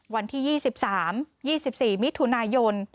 วันที่๒๓๒๔มิถุนายน